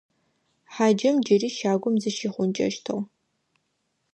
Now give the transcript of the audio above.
Хьаджэм джыри щагум зыщихъункӀэщтыгъ.